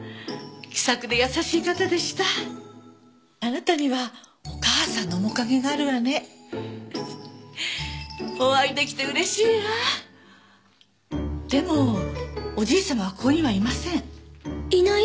気さくで優しい方でしたあなたにはお母さんの面影があるわねお会いできてうれしいわでもおじいさまはここにはいませんいない？